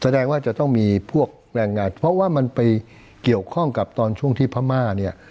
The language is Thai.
แสดงว่าจะต้องมีพวกแรงงานเพราะว่ามันไปเกี่ยวข้องกับตอนช่วงที่พม่าเนี่ย